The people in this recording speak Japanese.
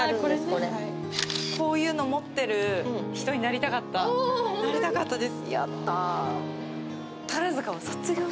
これこういうの持ってる人になりたかったなりたかったです